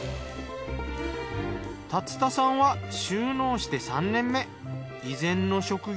竜田さんは就農して３年目。